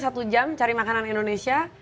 satu jam cari makanan indonesia